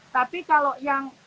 tapi kalau yang